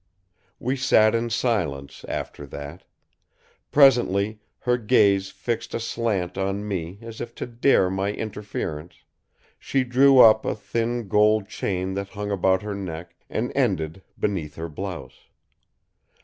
We sat in silence, after that. Presently, her gaze fixed aslant on me as if to dare my interference, she drew up a thin gold chain that hung about her neck and ended beneath her blouse.